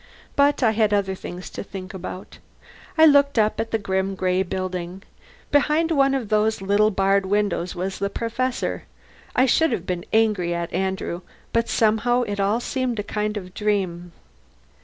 But I had other things to think about. I looked up at that grim, gray building. Behind one of those little barred windows was the Professor. I should have been angry at Andrew, but somehow it all seemed a kind of dream.